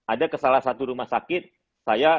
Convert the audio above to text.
ada ke salah satu rumah sakit saya